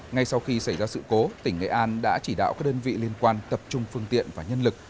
ngay sau khi xảy ra sự cố tỉnh nghệ an đã chỉ đạo các đơn vị liên quan tập trung phương tiện và nhân lực